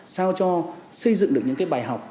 sao cho xây dựng được những cái bài học